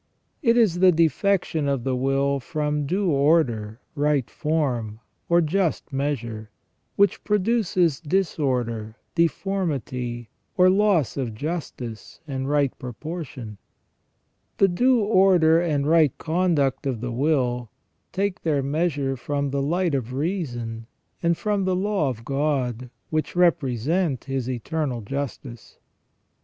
It is the defection of the will from due order, right form, or just measure, which produces disorder, deformity, or loss of justice and right proportion. The due order and right conduct of the will take their measure from the light of reason and from the law of God, which represent His Eternal Justice.